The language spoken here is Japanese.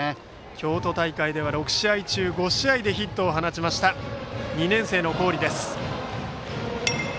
京都大会では６試合中５試合でヒットを放った２年生の郡です。